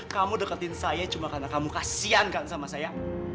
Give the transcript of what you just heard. kamu deketin saya cuma karena kamu kasian kan sama saya